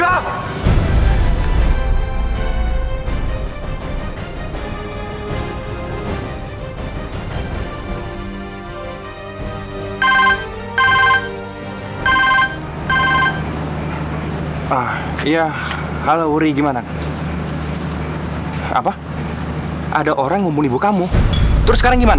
ah iya halo wuri gimana apa ada orang ngomong ibu kamu terus sekarang gimana